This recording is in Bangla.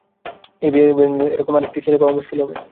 এই বিয়ে ভেঙে গেলে এ-রকম আরেকটি ছেলে পাওয়া মুশকিল হবে।